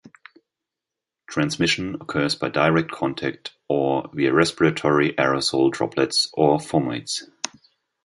Transmission occurs by direct contact, or via respiratory aerosol droplets, or fomites.